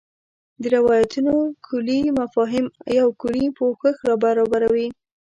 د روایتونو کُلي مفاهیم یو کُلي پوښښ برابروي.